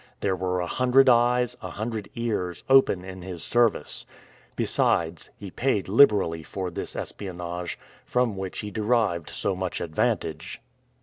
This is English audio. There were a hundred eyes, a hundred ears, open in his service. Besides, he paid liberally for this espionage, from which he derived so much advantage.